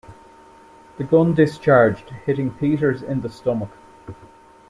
The gun discharged, hitting Peters in the stomach.